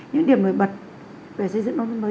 những điểm nổi bật về xây dựng nông thôn mới